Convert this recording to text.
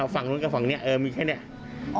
ฝั่งนู้นกับฝั่งเนี่ยเออมีแค่เนี่ย